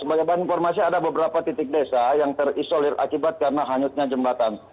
sebagai bahan informasi ada beberapa titik desa yang terisolir akibat karena hanyutnya jembatan